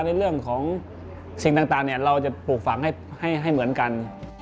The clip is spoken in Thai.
ในเรื่องของสิ่งต่างเราจะปลูกฝังให้เหมือนกัน